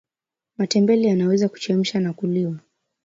matembele yanaweza kuchemsha na kuliwa